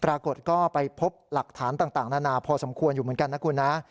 ปรากฏก็ไปพบหลักฐานต่างนานาพอสมควรอยู่เหมือนกันนะคุณนะ